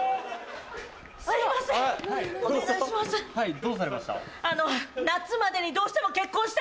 どうされました？